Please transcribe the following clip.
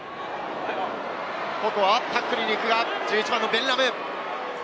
タックルに行くが、１１番のベン・ラム。